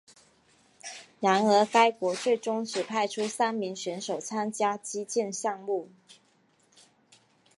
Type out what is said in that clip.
然而该国最终只派出三名选手参加击剑项目。